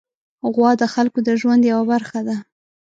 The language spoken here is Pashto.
غوا د خلکو د ژوند یوه برخه ده.